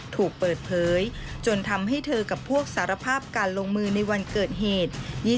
ถูกเปิดเผยจนทำให้เธอกับพวกสารภาพการลงมือในวันเกิดเหตุ